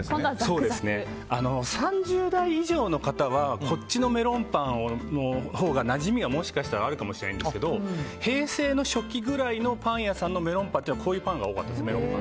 ３０代以上の方はこっちのメロンパンのほうがなじみがもしかしたらあるかもしれないんですけど平成の初期ぐらいのパン屋さんのメロンパンはこういうメロンパンが多かったです。